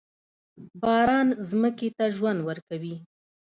باران ځمکې ته ژوند ورکوي.